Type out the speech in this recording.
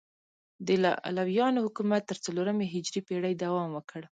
د علویانو حکومت تر څلورمې هجري پیړۍ دوام وکړ.